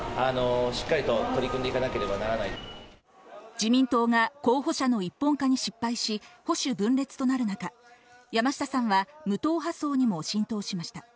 自民党が候補者の一本化に失敗し、保守分裂となる中、山下さんは無党派層にも浸透しました。